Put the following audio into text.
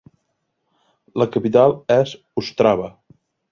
La capital és Ostrava.